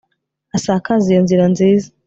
asakaze iyo nzira nziza